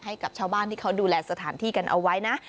ให้กับชาวบ้านที่เขาดูแลสถานที่กันเอาไว้นะ